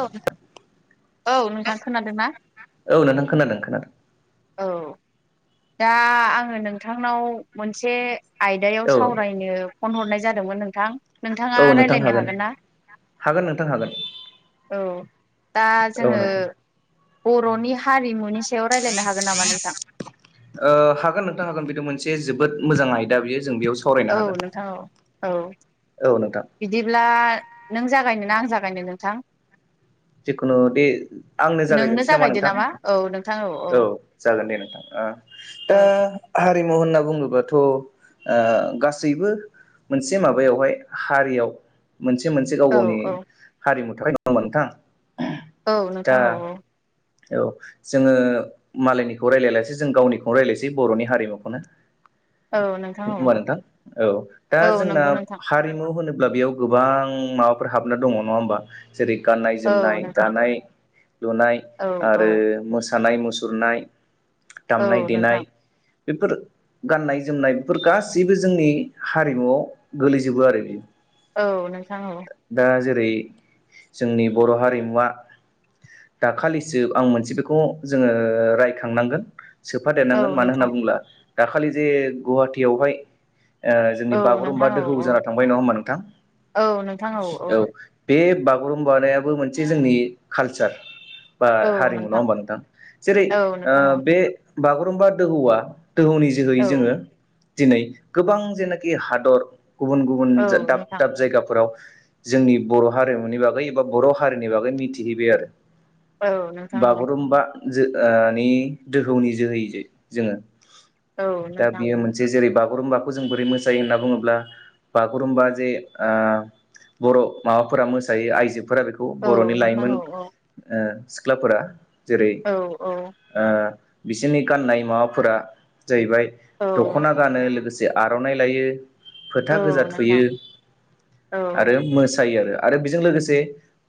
औ औ नोंथां खोनादों ना औ नोंथां खोनादों खोनादों औ दा आंङो नोंथांनाव मोनसे आयदायाव औ सावरायनो फन हरनाय जादोंमोन नोंथां नोंथाङा औ नोंथां रायलायनो हागोन ना हागोन नोंथां हागोन औ दा औ जोंङो नोंथां बर नि हारिमुनि सायाव रायलायनो हागोन नामा नोंथां ओ हागोन नोंथां हागोन बेथ मोनसे जोबोद मोजां आयदा बियो जों बेयाव सावरायनो औ हागोन नोंथां औ औ औ नोंथां बिदिब्ला नों जागायनो ना आं जागायनो नोंथां जिखुनु दे आंनो नोंनो जागायजेनसै नामा जागायदो नोंथां औ नोंथां औ जागोन दे नोंथां ओ औ ओ हारिमु होनना बुंङोबाथ ओ गासैबो मोनसे माबायावहाय हारियाव मोनसे मोनसे गाव औ गावनि औ हारिमु थाखायो नोंङा ओमबा नोंथां औ दा नोंथां औ औ औ जोंङो मालायनिखौ रायलायलासै जों गावनिखौनो रायजलायसै बर'नि हारिमुखौनो [inaudible] नोंथां औ होनबा नोंथां औ दा औ जोंना नंगौ नोंथां हारिमु होनो ब्ला बेयाव गोबां माबाफोर हाबना दंङ नङा होमबा जेरै गाननाय औ जोमनाय नोंथां दानाय लुनाय औ औ आरो मोसानाय मुसुरनाय दामनाय औ नोंथां देनाय बेफोर गाननाय जोमनाय बेफोर गासैबो जोंनि हारिमुआव गोलैजोबो आरो औ नोंथां औ दा जेरै जोंनि बर' हारिमुवा दाखालिसो आं मोनसे बेखौ जोङो रायखांनांगोन औ सोफादेरनांगोन मानो होनना नोंथां बुङोब्ला दाखालि जे गुवाहाटियावहाय ओ औ जोंनि बागुरुम्बा नोंथां औ दोहौ औ जाना थांबाय नङा होमा नोंथां औ बे बागुरुम्बानायाबो मोनसे जोंनि कालचार बा हारिमु नङा होमबा नोंथां जेरै औ नोंथां औ बे बागुरुमबा दोहौआ दोहौनि जोहोै औ जोङो दिनै गोबां जेनाखि हादर गुबुन गुबुन औ दाब नोंथां दाब जायगाफोराव जोंनि बर' हारिमुनि बागै एबा बर' हारिनि बागै मिथिहैबाय आरो औ नोंथां औ बागुरुम्बा जो मानि दोहौनि जोहैजो जोङो औ दा नोंथां बियो मोनसे जेरै बागुरुम्बाखौ जों बोरै मोसायो होनना बुङोब्ला बागुरुम्बा जे ओ बर' माबाफोरा मोसायो आइजो फोरा बेखौ औ बर'नि नोंथां लाइमोन औ ओ सिख्लाफोरा जेरै औ ओ बिसोरनि गाननाय माबाफोरा जाहैबाय औ दख'ना गानो लोगोसे आर'नाइ लायो फोथा औ गोजा थुयो नोंथां औ आरो मोसायो आरो आरो बेजों लोगोसे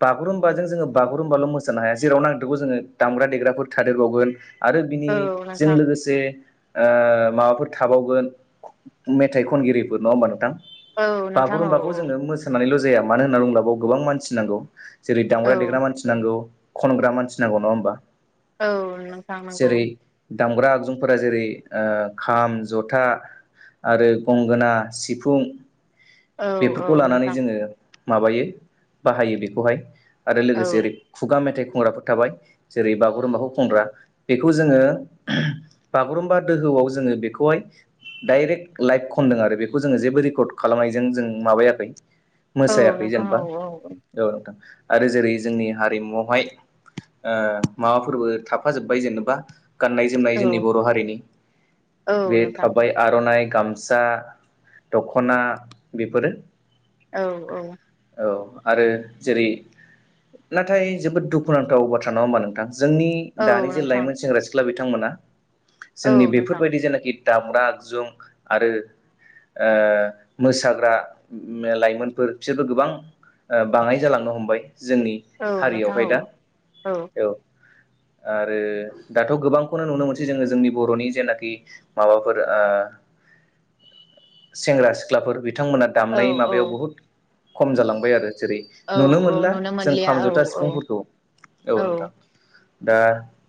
बागुरुम्बाजों जोङो बागुरुम्बाल' मोसानो हाया जेराव नांदेरगौ जोङो दामग्रा देग्राफोर थादेरबावगोन आरो औ बिनिजों नोंथां लोगोसे ओ माबा थाबावगोन मेथाइ खनगिरिफोर नङा होमबा नोंथां औ नोंथां औ बागुरुम्बाखौ जोङो मोसानानैल' ज जाया मानो होनना बुङोब्लााव गोबां मानसि नांगौ जेरै औ दामग्रा देग्रा मानसि नांगौ खनग्रा मानसि नांगौ नङा होम्बा औ नोंथां नंगौ दामग्रा आगजुफोरा जेरै खाम जथा आरो गंगोना सिफुं औ औ बेफोरखौ लानानै नोंथां जोङो माबायो बाहायो बेखौहाय आरो औ लोगोसे ओरै खुगा मेथाइ खनग्राफोर थाबाय जेरै बागुरुम्बाखौ खुनग्रा बेखौ जोङो बागुरुमबा दोहौ [unintelligible] जोङो बेखौहाय । डाइरेक्ट लाइभ खनदों आरो बेखौ जोङो जेबो रेकर्ड खालामनायजों जों माबायाखै औ मोसायाखै नोंथां जेन'बा औ औ औ नोंथां आरो जेरै जोंनि हारिमुआवहाय ओ माबाफोरबो थाफाजोब्बाय जेनेबा गाननाय जोमनाय औ जोंनि बर' हारिनि औ बे नोंथां थाबाय आर'नाइ गामसा दख'ना बेफोरो औ औ औ आरो जेरै नाथाय जोबोद दुखुनांथाव बाथ्रा नङा होमबा नोंथां जोंनि दानि औ जे नोंथां लाइमोन सेंग्रा सिख्ला बिथांमोना औ जोंनि नोंथां बेफोरबायदि जेनाखि दामग्रा आगजुं आरो ओ मोसाग्रा लाइमोनफोर बिसोरबो गोबां ओ बाङाय जालांनो हमबाय जोंनि औ नोंथां हारियावहाय दा औ औ आरो दाथ' गोबांखौनो नुनो मोनसै जोङो जोंनि बर'नि जेनाखि माबाफोर ओ सेंग्रा सिख्लाफोर बि बिथांमोना औ दामनाय औ माबायाव बुहुद खम जालांबाय आरो जेरै औ नुनो औ मोनला नुनो जों मोनलिया औ खामजथा औ सिफुंफोरखौ औ नोंथां दा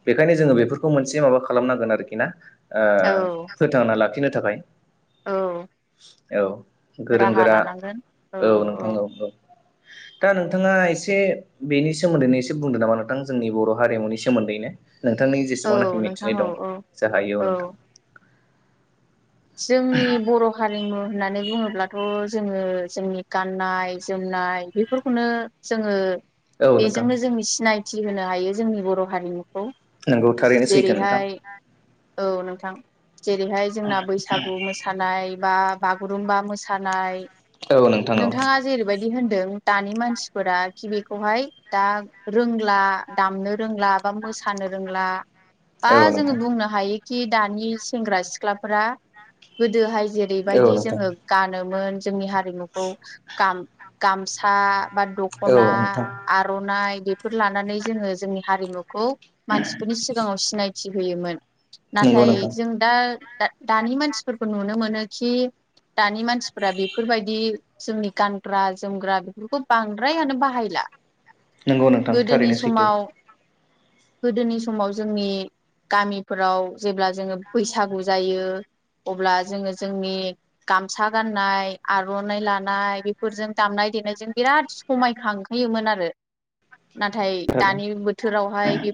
बेखायनो जोङो बेफोरखौ मोनसे माबा खालामनांगोन आरोखि ना औ ओ फोथांना लाखिनो थाखाय औ औ गोरों गोरा औ नोंथां औ औ दा नोंथाङा एसे बेनि सोमोन्दैनो एसे बुंदों नामा नोंथां जोंनि बर' हारिमुनि सोमोन्दैनो नोंथांनि औ जेसेबांनाखि नोंथां मिथिनाय औ दं औ जा हायो औ नोंथां जोंनि बर' हारि हारिमु होननानै बुङोब्लाथ' जोङो जोंनि गाननाय जोमनाय बेफोरखौनो जोङो औ नोंथां बेजोंनो जों सिनायथि होनो हायो जोंनि बर' हारिखौ नंगौ थारैनो सैथो नोंथां जेरैहाय औ नोंथां जेरैहाय जोंना बैसागु मोसानाय बा बागुरुम्बा मोसानाय औ नोंथां औ नोंथाङा जेरैबायदि होनदों दानि मानसिफोरा कि बेखौहाय दा रोंला दामनो रोंला बा मोसानो रोंला बा औ जोङो नोंथां बुंनो हायोखि दानि सेंग्रा -सिख्लाफोरा गोदोहाय औ जेरैबायदि नोंथां जोङो गानोमोन जोंनि हारिमुखौ गामसा बा औ दख'ना नोंथां आर'नाइ बेफोर लानानै जोङो जोंनि हारिमुखौ मानसिफोरनि सिगाङाव सिनायथि होयोमोन नंगौ नाथाय नोंथां जों दा दानि मानसि मानसिफोरखौ नुनो मोनो खि दानि मानसिफोरा बेफोरबायदि जोंनि गानग्रा जोमग्रा बेफोरखौ बांद्रायानो बाहायला नंगौ नोंथां गोदोनि थारैनो सैथो समाव गोदोनि समाव जोंनि गामिफोराव जेब्ला जोङो बैसागु जायो अब्ला जोङो जोंनि गामसा गाननाय, आर'नाइ लानाय बेफोरजों दामनाय -देनायजों बिराद समायखांहोयोमोन आरो नाथाय दानि औ बोथोरावहाय बे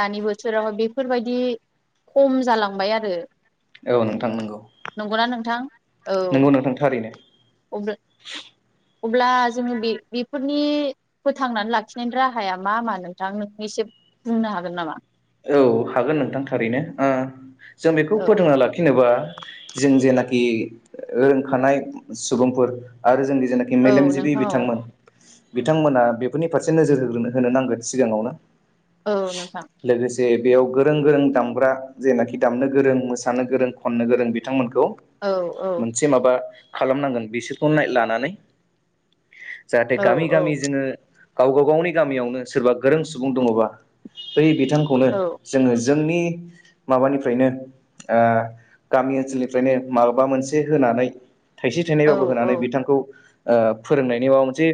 दानि बोसोरावहाय बेफोरबायदि खम जालांबाय आरो औ नोंथां नंगौ नंगौना नोंथां औ नंगौ नोंथां थारैनो अब्ला जोङो बेफोर ननि फोथांनानै लाखिनायनि राहाया मा - मा नोंथां नों एसे बुंनो हागोन नामा औ हागोन नोंथां थारैनो जों बेखौ औ फोथोंना लाखिनोबा जों जेनाखि रोंखानाय सुबुंफोर आरो जोंनि जेनाखि औ मेलेमजिबि नोंथां औ बिथांमोन बिथांमोना बेफोरनि फारसे नोजोर होग्रोनो होनो नांगोन सिगाङावनो औ नोंथां लोगोसे बेयाव गोरों गोरों दामग्रा जेनाखि दामनो गोरों मोसानो गोरों खननो गोरों बिथांमोनखौ औ औ मोसे माबा खालामनांगोन बिसोरखौ लानानै जाहाथे औ गामि गामि औ जोङो गावबा गावनि गामियावनो सोरबा गोरों सुबुं दङबा बै बिथांखौनो जोङो जोंनि माबानिफ्रायनो गामि ओनसोलनिफ्रायनो माबा मोनसे होनानै थाइसे- औ थाइनैबाबो होनानै औ बिथांखौ फोरोंनायनि माबा मोनसे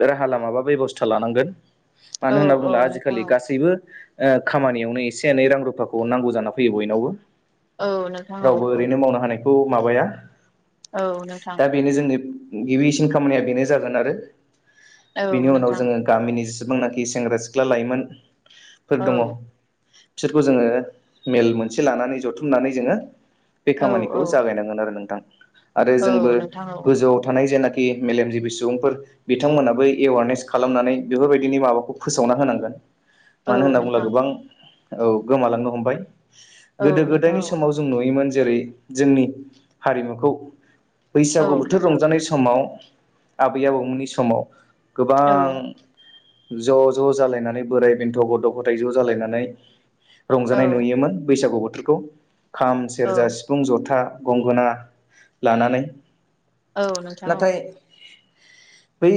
राहा लामा बा बेबस्था लानांगोन मानो होनना औ बुला नोंथां आजिखालि गासैबो खामानियावनो एसे - एनै रां रुफाखौ नांगौ जाना फैयो बयनावबो औ औ नोंथां औ रावबो औ ओरैनो मावनो हानाय माबया औ नोंथां दा बेनो जोंनि गिबिसिन खामानिया बेनो जागोन आरो औ बेनि उनाव नोंथां जोङो गामिनि जसेबांनाखि सेंग्रा- सिख्ला लाइमोनफोर औ दङ बिसोरखौ जोङो मेल मोनसे लानानै जथुमनानै जोङो बे औ खामानिखौ औ जागायनांगोन आरो नोंथां आरो जोंबो औ नोंथां औ गोजौआव थानाय जेनाखि मेलेमजिबि सुबुंफोर बिथांमोनाबो एवारनेस खालामनानै बेफोरबायदिनि माबाखौ फोसावना होनांगोन मानो औ होनना बुङोब्ला नोंथां गोबां औ गोमालांनो हमबाय औ गोदो - नोंथां गोदायनि समाव जों नुयोमोन जेरै जोंनि हारिमुखौ औ बैसागु बोथोर नोंथां रंजानाय समाव आबै आबौमोननि समाव गोबां औ ज' ज' जालायनानै बोराय - बेन्थ, गथ -गथाय ज' जालायनानै रंजानाय औ नुयोमोन बैसागु बोथोरखौ खाम औ सेरजा सिफुं जथा गंगोना लानानै औ नोंथां औ नाथाय बै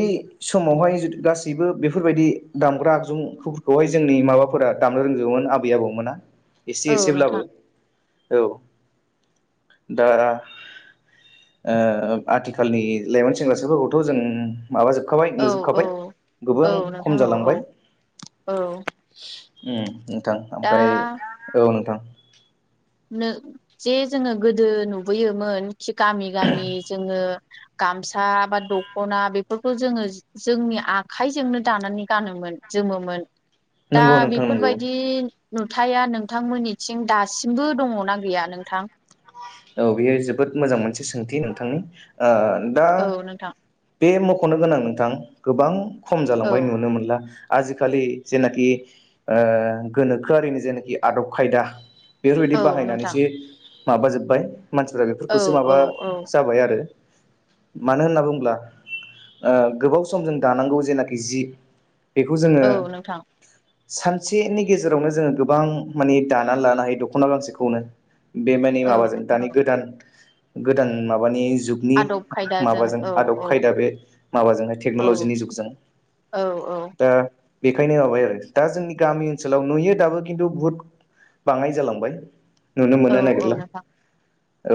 समावहाय गासैबो बेफोरबायदि दामग्रा आगजुफोरखौहाय जोंनि माबाफोरा दामनो रोंजोबोमोन आबै- आबौमोना एसे औ एसेब्लाबो नोंथां औ दा आथिखालनि लाइमोन सेंग्रा- सिख्लाफोरखौथ' जों माबाजोबखाबाय औ नुजोबखाबाय औ गोबां औ नोंथां खम औ औ जालांबाय औ नोंथां ओमफ्राय दा औ नोंथां जे जोङो गोदो नुबोयोमोन खि गामि - गामि जोङो गामसा बा दखना बेफोरखौ जोङो जोंनि आखाइजोंनो दानानै गानोमोन। जोमोमोन दा नंगौ नोंथां नंगौ बेफोरबायदि नुथाया नोंथांमोननिथिं दासिमबो दङना गैया नोंथां? औ बेयो जोबोद मोजां मोनसे सोंथि नोंथांनि। ओ दा औ नोंथां। बे मख'नो गोनां नोंथां गोबां खम औ जालांबाय नुनो मोनला। आजिखालि जेनाखि ओ गोनोखोआरिनि जेनाखि आदब खायदा बेफोरबायदि औ नोंथां बाहायनानैसो माबाजोब्बाय मानसिफोरारा औ बेफोरखौसो माबा औ औ जाबाय आरो। मानो होनना बुङोब्ला ओ गोबाव सम जों दानांगौ जेनाखि जि बेखौ जोङो औ नोंथां सानसेनि गेजेरावनो जोङो गोबां माने दानानै लानो हायो दखना गांसेखौनो। बे माने औ माबाजों नोंथां दानि औ गोदान गोदान माबानि जुगनि आदब खायदाजों माब जों औ आदब औ खायदा बे माबाजोंहाय औ टेक्न'ल'जिनि जुगजों। औ औ दा बेखायनो माबाय आरो दा जोंनि गामि ओनसोलाव नुयो दाबो। खिन्थु बुहुत बाङाय जालांबाय नुनो औ मोननो औ नागिरला। नोंथां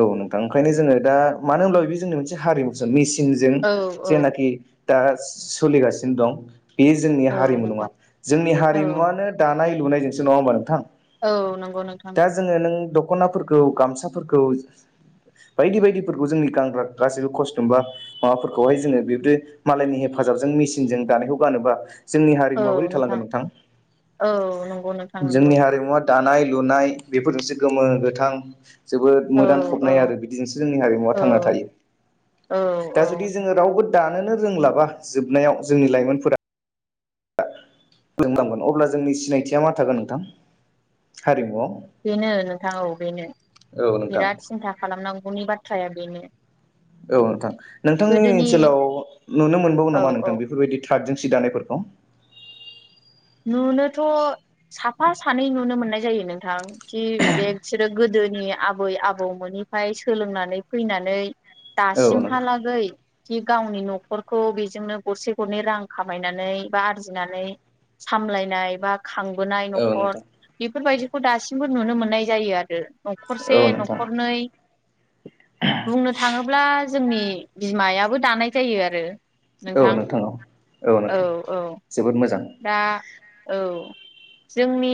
औ नोंथां ओंखायनो जोङो दा मानो होनबा बे जोंनि मोनसे हारिमुसो मिस। जों औ औ जेनाखि दा सोलिगासिनो दं। बेयो जोंनि औ हारिमु नोंथां नङा। जोंनि औ हारिमुवनो दानाय लुनायजोंसो नङा होमबा नोंथां? औ नंगौ नोंथां दा नंगौ। जोङो नों द'खनाफोरखौ, गामसाफोरखौ बायदि बायदिफोरखौ जोंनि गानग्रा गासैबो खस्थ बा माबाफोरखौहाय जोङो बेदि मालायनि हेफा जाबजों मेसिनजों दानायखौ गानोब्ला जोंनि हारिमुवा बोरै थालांगोन नोंथां औ नंगौ नोंथां नंगौ जोंनि हारिमुवा दानाय लुनाय बेफोरजोंसो गोमो गोथां जोबोद औ मोदान औ थबनाय आरो बिदिजोंसो जोंनि हारिमुवा औ थांना थायो। औ दा औ जुदि जोङो रावबो दानोनो रोंलाबा जोबनायाव जोंनि लाइमोनफोरा [unintelligible] अब्ला जोंनि सिनायथिया मा थागोन नोंथां हारिमुआव? बेनो नोंथां औ बेनो औ नोंथां बिराद सिन्था खालामनांगौनि बाथ्राया बेनो। औ नोंथां नोंथांनि गोदोनि ओनसोलाव नुनो मोनबावो औ नामा औ नोंथां बेफोरबायदि थातजों सि दानायफोरखौ? नुनोथ' साफा सानै नुनो मोननाय जायो नोंथां खि बिसोरो गोदो गोदोनि आबै आबौमोननिफ्राय सोलोंनानै फैनानै औ नोंथां दासिमहालागै जि गावनि नखरखौ बेजोंनो गरसे गरनै रां खामायनानै बा आरजिनानै सामलायनाय बा खांबोनाय औ न'खर नोंथां बेफोरबायदि खौ दासिमबो नुनो मोननाय जायो आरो नखरसे, औ नोंथां नखरनै बुंनो थाङोब्ला जोंनि बिमायाबो दानाय जायो आरो। औ नोंथां औ औ नोंथां जोबोद मो दा औ जोंनि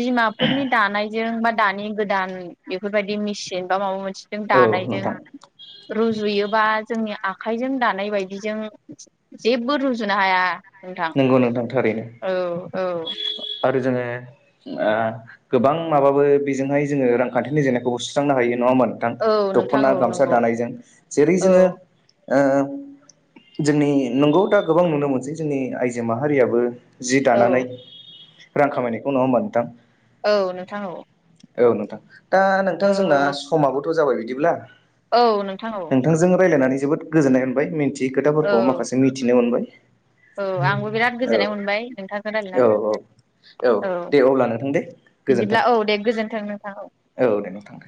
बिमाफोरनि दानायजों बा दानि गोदान बेफोरबायदि मेसिन बा माबा मोन सिजों औ दानायजों नोंथां रुजुयो बा जोंनि आखाइजों दानाय बायदिजों जेबो रुजुनो हाया नोंथां। औ नोंथां थारैनो। औ औ आरो जोङो ओ गोबां माबाबो बेजोंहाय जोङो रांखान्थिनि जेंनाखौबो सुस्रांनो हायो। नङा होमबा नोंथां? औ नोंथां दखना औ गामसा नंगौ दानायजों जेरै औ जोङो ओ जोंनि नंगौ दा गोबां नुनो मोनसै जोंनि आइजो माहारियाबो जि औ दानानै रां खामायनायखौ नङा होमबा नोंथां? औ नोंथां औ। औ नोंथां दा नोंथां जोंना औ समाबोथ' जाबाय बिदिब्ला औ नोंथां औ नोंथांजों रायज्लायनानै जोबोद गोजोननाय मोनबाय मिथियै औ खोथाफोरखौ माखासे मिथिनो मोनबाय औ आंबो बिराद औ गोजोननाय मोनबाय नोंथांजों औ औ रायज्लायनानै औ दे अब्ला नोंथां दे गोजोन्थों बिदिब्ला औ दे गोजोन्थों नोंथां औ [unintelligible] दे नोंथां दे